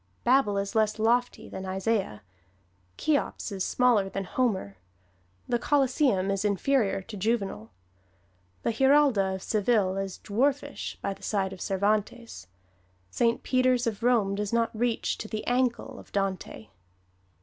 Babel is less lofty than Isaiah; Cheops is smaller than Homer; the Colosseum is inferior to Juvenal; the Giralda of Seville is dwarfish by the side of Cervantes; Saint Peter's of Rome does not reach to the ankle of Dante.